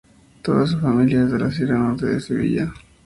Toda su familia es de la Sierra Norte de Sevilla.